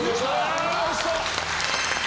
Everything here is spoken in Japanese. おいしそう！